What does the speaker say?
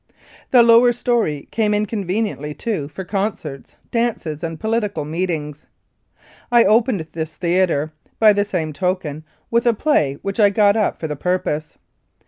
The lower story came in conveniently, too, for concerts, dances and political meetings. I opened this theatre, by the same token, with a play which I got up for the purpose.